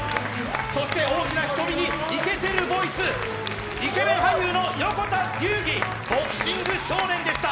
そして大きな瞳にイケてるボイス、イケメン俳優の横田龍儀、ボクシング少年でした。